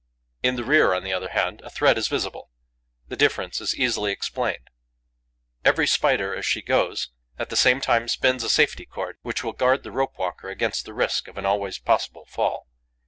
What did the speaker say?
In the rear, on the other hand, a thread is visible. The difference is easily explained. Every Spider, as she goes, at the same time spins a safety cord which will guard the rope walker against the risk of an always possible fall.